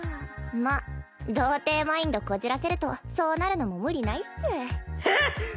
まあ童貞マインドこじらせるとそうなるのも無理ないっス。